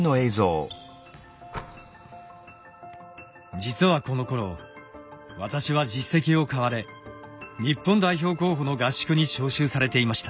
実はこのころ私は実績を買われ日本代表候補の合宿に招集されていました。